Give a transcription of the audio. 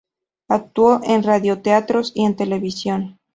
Actuó en radioteatros y en televisión.